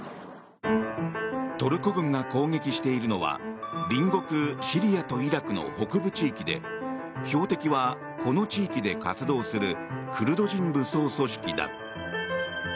トルコ軍が攻撃しているのは隣国シリアとイラクの北部地域で標的はこの地域で活動するクルド人武装組織だ。